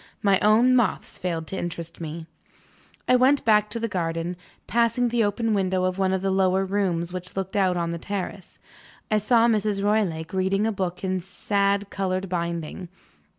My own moths failed to interest me. I went back to the garden. Passing the open window of one of the lower rooms which looked out on the terrace, I saw Mrs. Roylake reading a book in sad colored binding.